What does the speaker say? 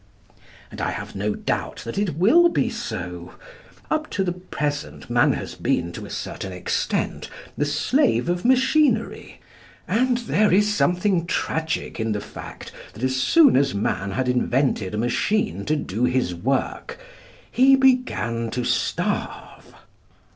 And I have no doubt that it will be so. Up to the present, man has been, to a certain extent, the slave of machinery, and there is something tragic in the fact that as soon as man had invented a machine to do his work he began to starve.